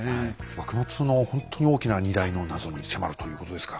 幕末のほんとに大きな２大の謎に迫るということですか。